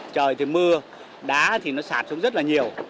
trời thì mưa đá thì nó sạt xuống rất là nhiều